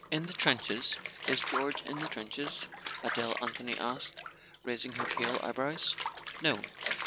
"In the trenches—is George in the trenches?" Adele Anthony asked, raising her pale eyebrows. "No."